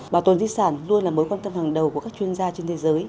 bảo tồn di sản luôn là mối quan tâm hàng đầu của các chuyên gia trên thế giới